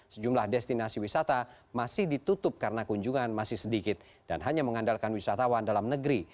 sejumlah destinasi wisata masih ditutup karena kunjungan masih sedikit dan hanya mengandalkan wisatawan dalam negeri